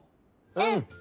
うん！